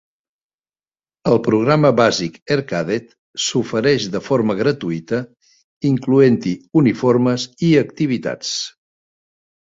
El programa bàsic Air Cadet s'ofereix de forma gratuïta, incloent-hi uniformes i activitats.